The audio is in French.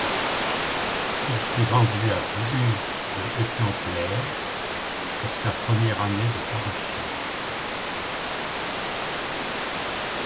Il s'est vendu à plus de exemplaires sur sa première année de parution.